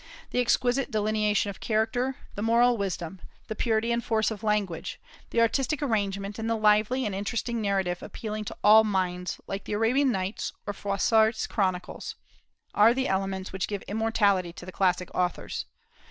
The exquisite delineation of character, the moral wisdom, the purity and force of language, the artistic arrangement, and the lively and interesting narrative appealing to all minds, like the "Arabian Nights" or Froissart's "Chronicles," are the elements which give immortality to the classic authors.